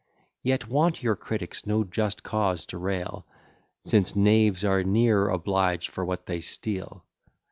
Yet want your critics no just cause to rail, Since knaves are ne'er obliged for what they steal.